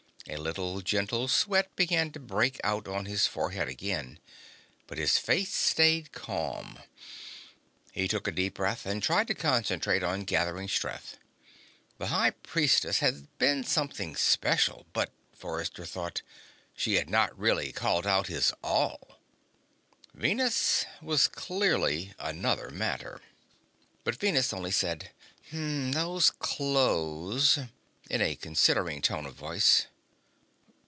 A little gentle sweat began to break out on his forehead again, but his face stayed calm. He took a deep breath and tried to concentrate on gathering strength. The High Priestess had been something special but, Forrester thought, she had not really called out his all. Venus was clearly another matter. But Venus said only: "Those clothes," in a considering sort of tone.